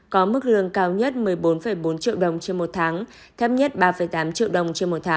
có mức lương cao nhất một mươi bốn bốn triệu đồng trên một tháng thấp nhất ba tám triệu đồng